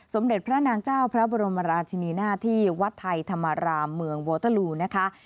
สมเด็จพระนางเจ้าพระบรมราชินีนาที่วัดไทยธรรมรามเมืองโวเตอร์ลูนะคะ